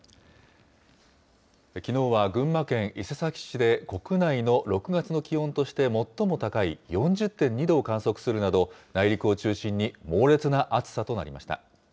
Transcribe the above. きのうは群馬県伊勢崎市で国内の６月の気温として最も高い４０．２度を観測するなど、内陸を中心に猛烈な暑さとなりました。